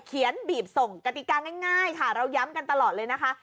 บีบส่งกติกาง่ายค่ะเราย้ำกันตลอดเลยนะคะ